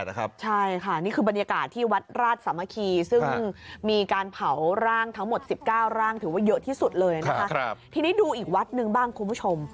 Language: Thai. ร่างถือว่าเยอะที่สุดเลยนะคะครับทีนี้ดูอีกวัดนึงบ้างคุณผู้ชม